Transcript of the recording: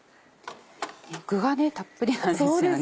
具がたっぷりなんですよね。